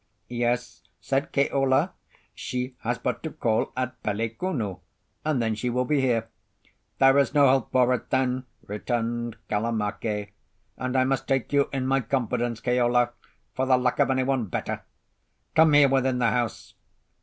"Yes," said Keola. "She has but to call at Pelekunu, and then she will be here." "There is no help for it then," returned Kalamake, "and I must take you in my confidence, Keola, for the lack of anyone better. Come here within the house."